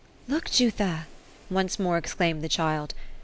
*< Look Jutha !" once more exclaimed the child.